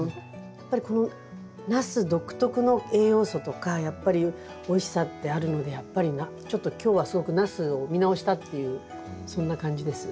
やっぱりこのナス独特の栄養素とかやっぱりおいしさってあるのでちょっと今日はすごくナスを見直したっていうそんな感じです。